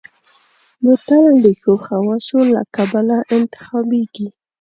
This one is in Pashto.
بوتل د ښو خواصو له کبله انتخابېږي.